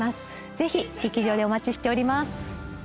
ぜひ劇場でお待ちしております